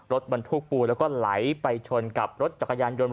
รถบรรทุกปูแล้วก็ไหลไปชนกับรถจักรยานยนต